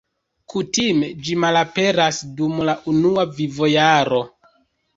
Kutime ĝi malaperas dum la unua vivojaro.